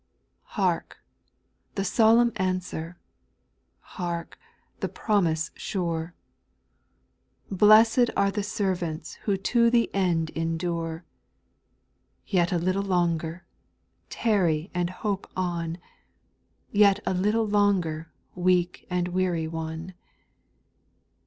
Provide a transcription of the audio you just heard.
6. Hark ! the solemn answer I Hark ! the pro mise sure I "Blessed are the servants who to the end endure !" Yet a little longer, tarry and hope on, — Yet a little longer, weak and weary one